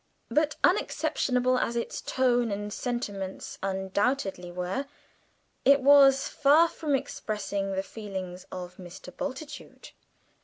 But unexceptionable as its tone and sentiments undoubtedly were, it was far from expressing the feelings of Mr. Bultitude.